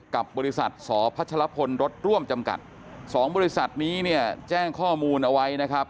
กับบริษัทสพัชลพลรถร่วมจำกัดสองบริษัทนี้เนี่ยแจ้งข้อมูลเอาไว้นะครับ